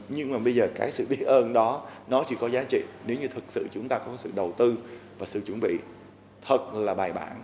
nhưng mà bây giờ cái sự biết ơn đó nó chỉ có giá trị nếu như thực sự chúng ta có sự đầu tư và sự chuẩn bị thật là bài bản